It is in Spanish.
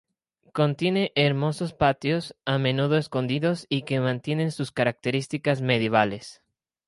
Contiene hermosos patios, a menudo escondidos y que mantienen sus características medievales.